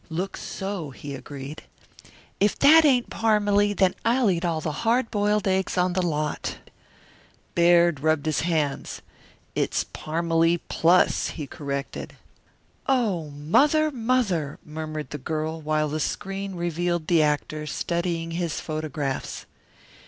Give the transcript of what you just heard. "Looks so," he agreed. "If that ain't Parmalee then I'll eat all the hard boiled eggs on the lot." Baird rubbed his hands. "It's Parmalee plus," he corrected. "Oh, Mother, Mother!" murmured the girl while the screen revealed the actor studying his photographs.